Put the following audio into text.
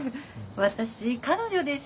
私彼女です